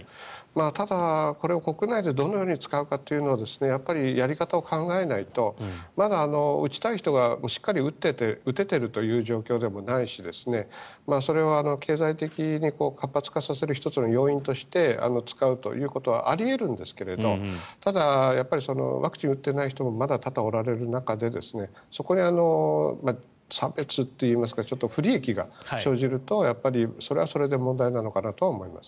ただ、これを国内でどのように使うかというのはやり方を考えないとまだ打ちたい人がしっかり打てているという状況でもないですしそれは経済的に活発化させる１つの要因として使うということはあり得るんですけどもただ、ワクチンを打っていない人もまだ多々おられる中でそこに差別といいますか不利益が生じるとそれはそれで問題なのかなとは思います。